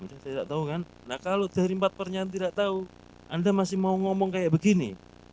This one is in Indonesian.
saya tidak tahu kan nah kalau dari empat pertanyaan tidak tahu anda masih mau ngomong kayak begini